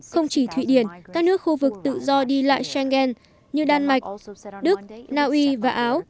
không chỉ thụy điển các nước khu vực tự do đi lại schengen như đan mạch đức naui và áo